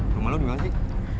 rumah lu dimana sih